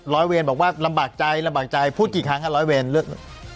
ร้อยเวรบอกว่าลำบากใจลำบากใจพูดกี่ครั้งอ่ะร้อยเวรเลือก